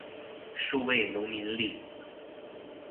數位農民曆